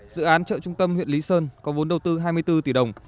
dự án chợ trung tâm huyện lý sơn có vốn đầu tư hai mươi bốn tỷ đồng